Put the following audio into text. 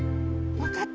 わかった？